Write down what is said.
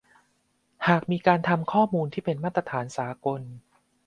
หากมีการทำข้อมูลที่เป็นมาตรฐานสากล